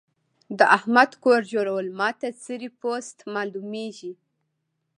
د احمد کور جوړول ما ته څيرې پوست مالومېږي.